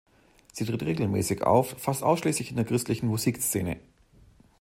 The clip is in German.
Sie tritt regelmäßig auf, fast ausschließlich in der christlichen Musikszene.